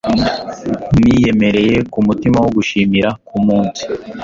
Niyemereye kumutima wo gushimira kumunsi